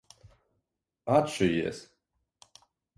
Atšujies!